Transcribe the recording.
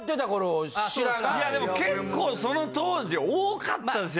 結構その当時多かったんです。